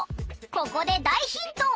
ここでだいヒント！